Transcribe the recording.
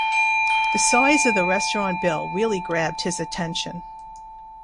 The size of the restaurant bill really grabbed his attention.